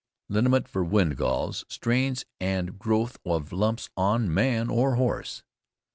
LINIMENT FOR WINDGALLS, STRAINS AND GROWTH OF LUMPS ON MAN OR HORSE.